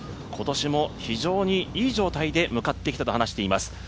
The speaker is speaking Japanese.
今年も非常にいい状態で向かってきたと話します。